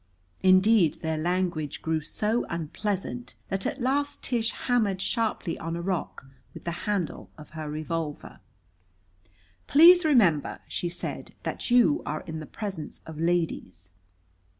Indeed, their language grew so unpleasant that at last Tish hammered sharply on a rock with the handle of her revolver. "Please remember," she said, "that you are in the presence of ladies!"